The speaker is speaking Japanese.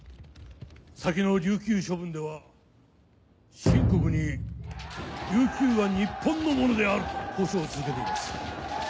先の琉球処分では清国に琉球は日本のものであると交渉を続けています。